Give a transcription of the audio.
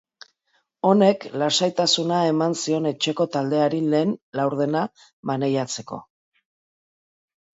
Honek lasaitasuna eman zion etxeko taldeari lehen laurdena maneiatzeko.